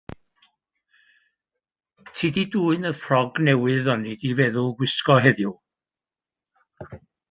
Ti 'di dwyn y ffrog newydd o'n i 'di feddwl gwisgo heddiw?